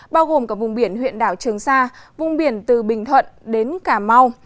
bao gồm cả vùng biển huyện đảo trường sa vùng biển từ bình thuận đến cà mau